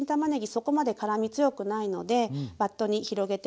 そこまで辛み強くないのでバットに広げておけば大丈夫です。